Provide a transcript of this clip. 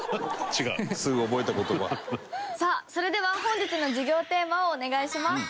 さあそれでは本日の授業テーマをお願いします。